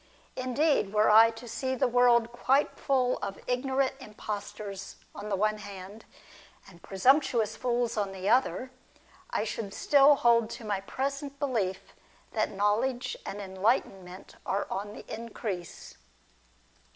Indeed, were I to see the world quite full of ignorant impostors on the one hand, and presumptuous fools on the other, I should still hold to my present belief that knowledge and enlighten ment are on the increase.